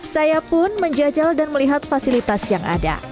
saya pun menjajal dan melihat fasilitas yang ada